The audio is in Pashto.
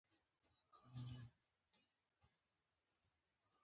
تر ورته شرایطو لاندې یې د نورو لپاره مه خوښوه.